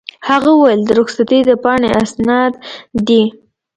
هغه وویل: د رخصتۍ د پاڼې اسناد دي.